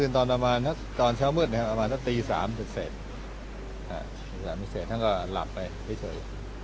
ตอนเช้ามืดตี๓เสร็จท่านก็หลับไปเฉย